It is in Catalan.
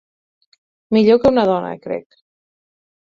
Millor que una dona, crec.